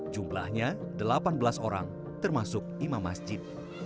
jumlahnya delapan belas orang termasuk imam masjid